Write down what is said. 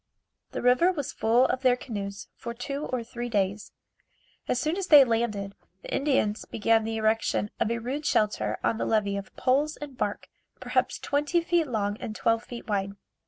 The river was full of their canoes for two or three days. As soon as they landed, the Indians began the erection of a rude shelter on the levee of poles and bark, perhaps twenty feet long and twelve feet wide.